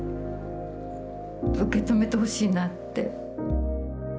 受け止めてほしいなって。